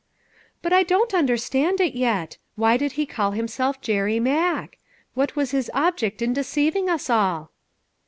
"But I don't understand it, yet. Why did he call himself Jerry Mack ? What was his ob ject in deceiving us all